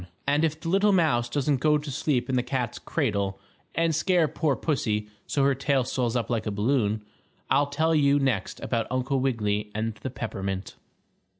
] And if the little mouse doesn't go to sleep in the cat's cradle and scare poor pussy so her tail swells up like a balloon, I'll tell you next about Uncle Wiggily and the peppermint.